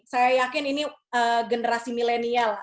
saya yakin ini generasi milenial